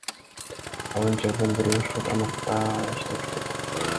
Ал он жылдан бери ушул тармакта иштеп келет.